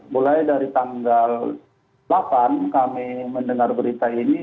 mulai dari tanggal delapan kami mendengar berita ini